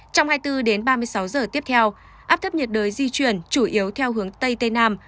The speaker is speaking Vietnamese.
trong hai mươi bốn đến ba mươi sáu giờ tiếp theo áp thấp nhiệt đới di chuyển chủ yếu theo hướng tây tây nam